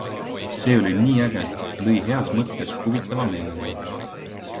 See oli nii äge - lõi heas mõttes huvitava meeleolu!